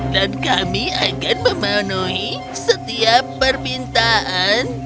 dan kami akan memenuhi setiap perpintaan